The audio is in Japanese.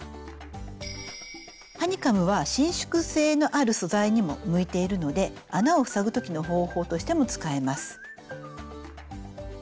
ハニカムは伸縮性のある素材にも向いているので穴を塞ぐ時の方法としても使えます。